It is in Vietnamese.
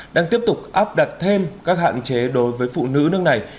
đang tiếp tục áp đặt thêm các hạn chế đối với phụ nữ nước này